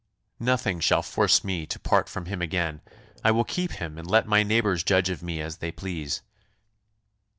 "Nothing shall force me to part from him again. I will keep him, and let my neighbours judge of me as they please."